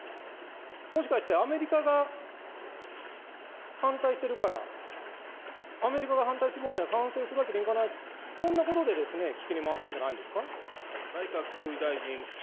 もしかして、アメリカが反対しているから、アメリカが反対しているものには賛成するわけにいかないと、こんなことでですね、棄権に回ったんじゃないですか。